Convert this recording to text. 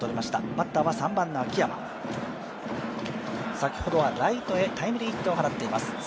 先ほどはライトへタイムリーヒットを放っています。